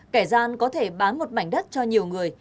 kẻ gian có thể bán một mảnh đất cho nhiều người